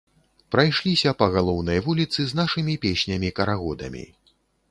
Прайшліся па галоўнай вуліцы з нашымі песнямі-карагодамі.